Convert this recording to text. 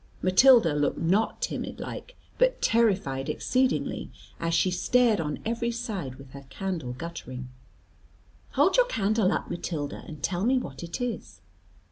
Matilda looked not timid like, but terrified exceedingly, as she stared on every side with her candle guttering. "Hold your candle up, Matilda; and tell me what it is."